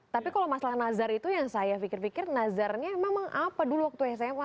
tapi kalau masalah nazar itu yang saya pikir pikir nazarnya memang apa dulu waktu sma